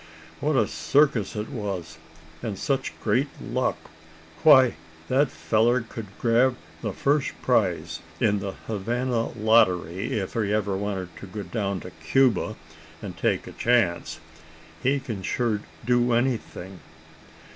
What a circus it was, and such great luck. Why, that feller could grab the first prize in the Havana lottery if he ever wanted to go down to Cuba and take a chance. He can sure do anything!"